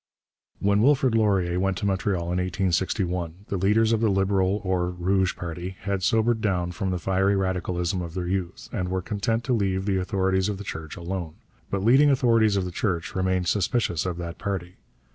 When Wilfrid Laurier went to Montreal in 1861, the leaders of the Liberal or Rouge party had sobered down from the fiery radicalism of their youth, and were content to leave the authorities of the Church alone. But leading authorities of the Church remained suspicious of that party.